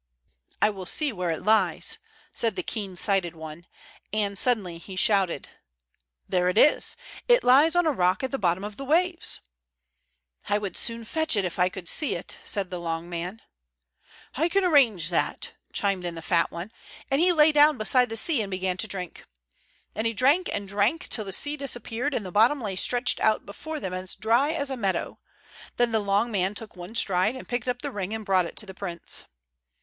"I will see where it lies," said the keen sighted one; and suddenly he shouted: "There it is; it lies on a rock at the bottom of the waves!" "I would soon fetch it, if I could see it," said the long man. "I can arrange that," chimed in the fat one, and he lay down beside the sea and began to drink. And he drank and drank till the sea disappeared, and the bottom lay stretched out before them as dry as a meadow. Then the long man took one stride, and picked up the ring and brought it to the prince.